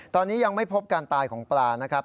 ตอนนี้ยังไม่พบการตายของปลานะครับ